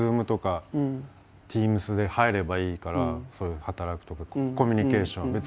ＺｏｏｍとかＴｅａｍｓで入ればいいからそういう働くとかコミュニケーション。